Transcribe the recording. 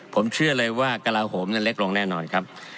ผมเชื่อเลยว่ากระลาโหมเล็กลงแน่นอนครับ